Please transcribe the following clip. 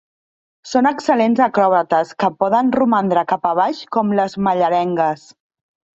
Són excel·lents acròbates que poden romandre cap a baix, com les mallerengues.